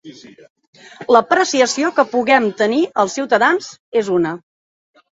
L'apreciació que puguem tenir els ciutadans és una.